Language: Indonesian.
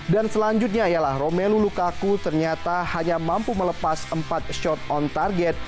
dan selanjutnya ialah romelu lukaku ternyata hanya mampu melepas empat shot on target